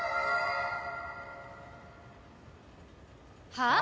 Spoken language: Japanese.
はあ！？